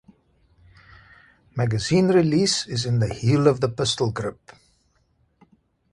Magazine release is in the heel of the pistol grip.